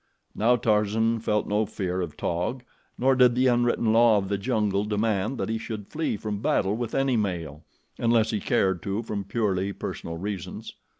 Now Tarzan felt no fear of Taug, nor did the unwritten law of the jungle demand that he should flee from battle with any male, unless he cared to from purely personal reasons.